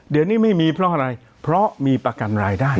เดี๋ยวนี้ไม่มีเพราะอะไรเพราะมีประกันรายได้